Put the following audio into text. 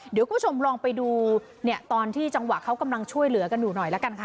เดี๋ยวคุณผู้ชมลองไปดูเนี่ยตอนที่จังหวะเขากำลังช่วยเหลือกันอยู่หน่อยละกันค่ะ